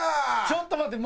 ちょっと待って！